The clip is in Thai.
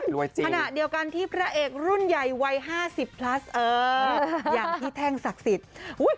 รวยจริงภานะเดียวกันที่พระเอกรุ่นใหญ่วัย๕๐พลัสอย่างที่แท่งศักดิ์สิทธิ์